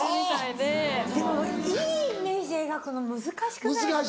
でもいいイメージ描くの難しくないですか。